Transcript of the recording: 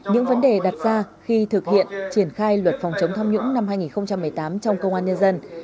những vấn đề đặt ra khi thực hiện triển khai luật phòng chống tham nhũng năm hai nghìn một mươi tám trong công an nhân dân